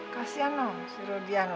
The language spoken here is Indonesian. kasian loh si rodiano